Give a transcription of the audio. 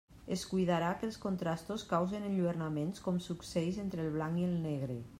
Es cuidarà que els contrastos causen enlluernaments, com succeïx entre el blanc i el negre.